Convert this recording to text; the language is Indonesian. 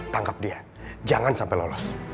tangkap dia jangan sampai lolos